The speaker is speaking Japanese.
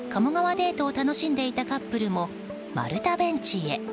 デートを楽しんでいたカップルも丸太ベンチへ。